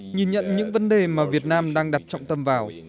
nhìn nhận những vấn đề mà việt nam đang đặt trọng tâm vào